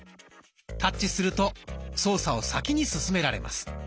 タッチすると操作を先に進められます。